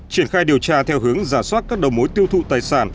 triển khai điều tra theo hướng giả soát các đầu mối tiêu thụ tài sản